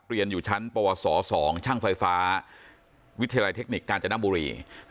เรียนอยู่ชั้นปวส๒ช่างไฟฟ้าวิทยาลัยเทคนิคกาญจนบุรี